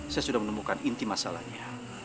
saya sudah menemukan inti masalahnya